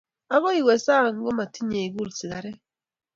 Akoi iwe sang' ngotimache ikul sigaret.